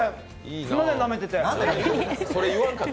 すみません、なめてて。